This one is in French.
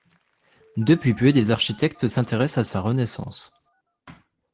Depuis peu, des architectes s’intéressent à sa renaissance.